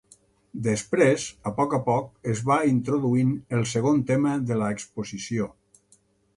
Després, a poc a poc es va introduint el segon tema de l'exposició.